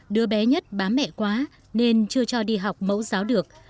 đứa bé nhất bám mẹ quá nên chưa cho đi học mẫu giáo được